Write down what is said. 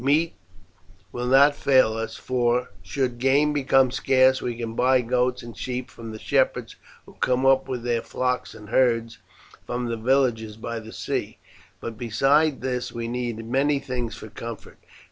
Meat will not fail us, for should game become scarce we can buy goats and sheep from the shepherds who come up with their flocks and herds from the villages by the sea. But besides this we need many things for comfort.